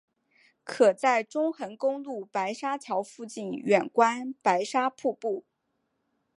可在中横公路白沙桥附近远观白沙瀑布。